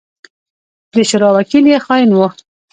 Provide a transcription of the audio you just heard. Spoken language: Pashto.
د شورا وکيل يې خائن وو.